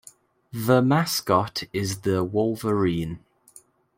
The mascot is the Wolverine.